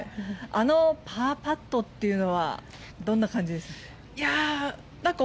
あのパーパットというのはどんな感じでしたか？